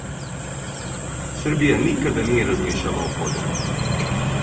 Србија никада није размишљала о подели.